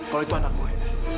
kalau itu anak gue